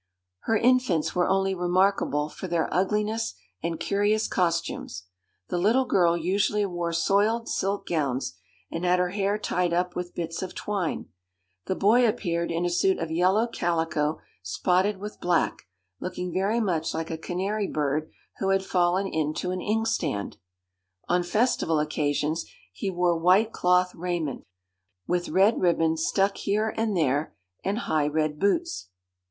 Her infants were only remarkable for their ugliness and curious costumes. The little girl usually wore soiled silk gowns, and had her hair tied up with bits of twine. The boy appeared in a suit of yellow calico spotted with black, looking very much like a canary bird who had fallen into an inkstand. On festival occasions he wore white cloth raiment, with red ribbons stuck here and there, and high red boots.